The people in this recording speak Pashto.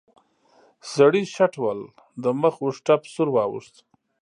سړي شټوهل د مخ اوږد ټپ سور واوښت.